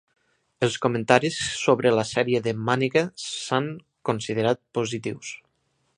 Els comentaris sobre la sèrie de màniga s'han considerat positius.